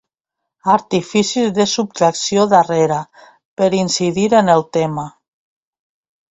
Artificis de subtracció darrere— per incidir en el tema.